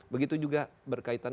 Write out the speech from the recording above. begitu juga berkaitan